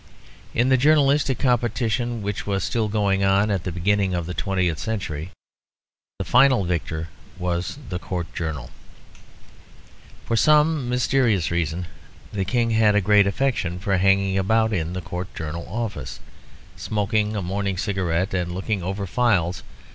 In the journalistic competition which was still going on at the beginning of the twentieth century, the final victor was the Court Journal. For some mysterious reason the King had a great affection for hanging about in the Court Journal office, smoking a morning cigarette and looking over files.